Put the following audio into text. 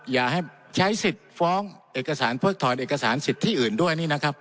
อย่าให้ใช้สิทธิ์ฟ้องเอกสารเพิกถอนเอกสารสิทธิ์ที่อื่นด้วยนี่นะครับ